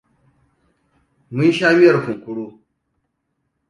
Mun sha miyar kunkuru.